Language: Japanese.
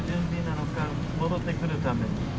戻ってくるために。